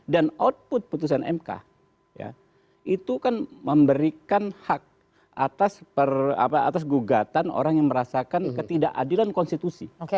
dan output putusan mk itu kan memberikan hak atas gugatan orang yang merasakan ketidakadilan konstitusi